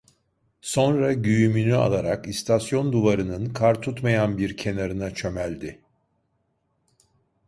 Sonra güğümünü alarak istasyon duvarının kar tutmayan bir kenarına çömeldi.